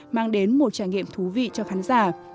mang đến một trải nghiệm thú vị cho khán giả